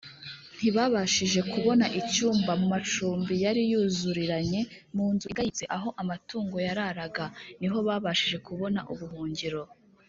. Ntibabashije kubona icyumba mu macumbi yari yuzuriranye. Mu nzu igayitse aho amatungo yararaga, niho babashije kubona ubuhungiro